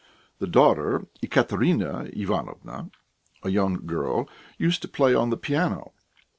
The daughter, Ekaterina Ivanovna, a young girl, used to play on the piano.